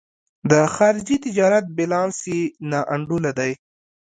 د خارجي تجارت بیلانس یې نا انډوله دی.